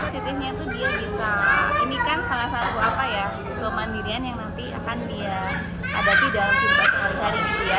siti ini tuh dia bisa ini kan salah satu apa ya kemandirian yang nanti akan dia hadapi dalam kehidupan sehari hari di dia